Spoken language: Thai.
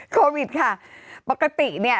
โควิดค่ะปกติเนี่ย